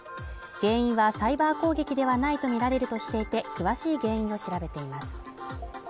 原因はサイバー攻撃ではないとみられるとしていて詳しい原因を調べています